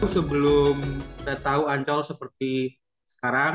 sebelum kita tahu ancol seperti sekarang